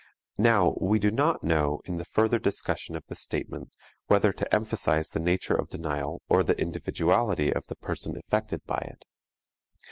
Now, we do not know, in the further discussion of this statement, whether to emphasize the nature of denial or the individuality of the person affected by it.